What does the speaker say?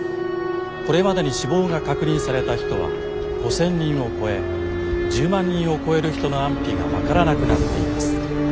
これまでに死亡が確認された人は５，０００人を超え１０万人を超える人の安否が分からなくなっています。